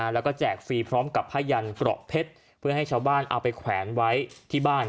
แล้วก็แจกฟรีพร้อมกับผ้ายันเกราะเพชรเพื่อให้ชาวบ้านเอาไปแขวนไว้ที่บ้าน